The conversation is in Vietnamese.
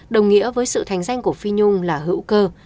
đồng nghĩa với sự thành danh của phi nhung là hữu cơ